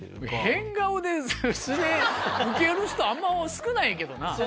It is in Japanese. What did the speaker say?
変顔で素でウケる人あんま少ないけどな。